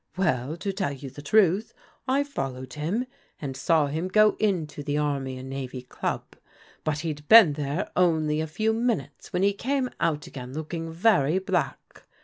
Well, to tell you the truth, I followed him, and saw him go into the Army and Navy Qub, but he'd been there only a few minutes when he came out again looking very black.